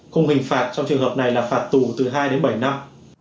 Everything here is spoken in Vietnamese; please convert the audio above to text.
khung hình phạt trong trường hợp này là phạt tù từ hai đến bảy năm